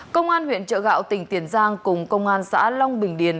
công an huyện trợ gạo tỉnh tiền giang cùng công an xã long bình điền